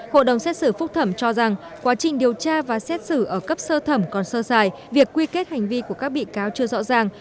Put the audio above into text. hội đồng xét xử phúc thẩm cho rằng quá trình điều tra và xét xử ở cấp sơ thẩm còn sơ dài việc quy kết hành vi của các bị cáo chưa rõ ràng